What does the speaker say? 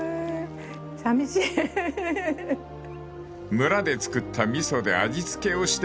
［村で造った味噌で味付けをして完成］